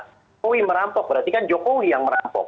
jokowi merampok berarti kan jokowi yang merampok